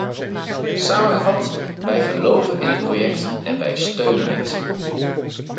Samengevat: wij geloven in het project en wij steunen het.